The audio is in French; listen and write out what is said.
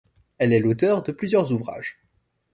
Elle est l'auteur de plusieurs ouvrages.